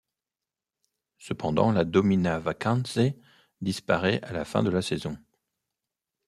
Cependant la Domina Vacanze disparaît à la fin de la saison.